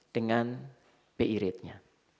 dengan bi rate nya